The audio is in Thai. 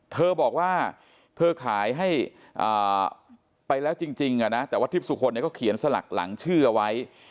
เธอบอกว่าเธอขายให้ไปแล้วจริงนะแต่ว่าทิพย์สุคลก็เขียนสลักหลังชื่อเอาไว้